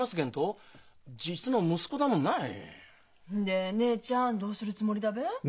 で姉ちゃんどうするつもりだべ？